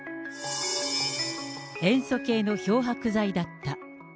塩素系の漂白剤だった。